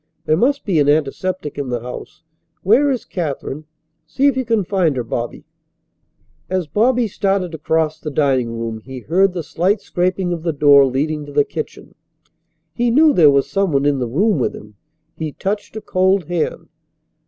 There must be an antiseptic in the house. Where is Katherine? See if you can find her, Bobby." As Bobby started to cross the dining room he heard the slight scraping of the door leading to the kitchen. He knew there was someone in the room with him. He touched a cold hand.